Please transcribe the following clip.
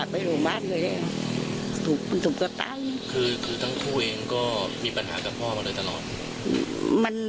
มันเหมือนกัน